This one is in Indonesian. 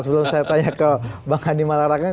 sebelum saya tanya ke bang handi malarakan